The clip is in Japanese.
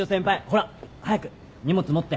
ほら早く荷物持って。